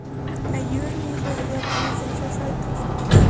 A Joe Louis le duró apenas seis asaltos.